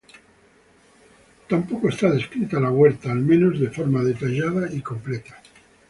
Tampoco está descrita la huerta, al menos de forma detallada y completa.